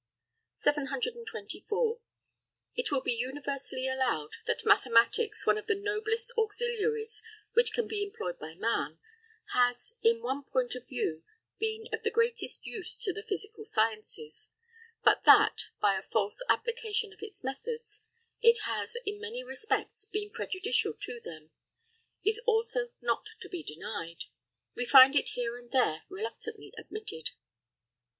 724. It will be universally allowed that mathematics, one of the noblest auxiliaries which can be employed by man, has, in one point of view, been of the greatest use to the physical sciences; but that, by a false application of its methods, it has, in many respects, been prejudicial to them, is also not to be denied; we find it here and there reluctantly admitted.